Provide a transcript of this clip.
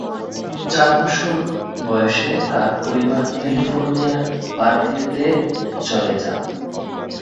চার বছর বয়সে তাঁর পরিবার ক্যালিফোর্নিয়ার বার্কলেতে চলে যান।